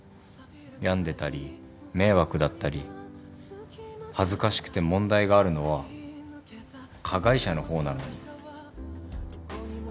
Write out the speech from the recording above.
病んでたり迷惑だったり恥ずかしくて問題があるのは加害者の方なのに。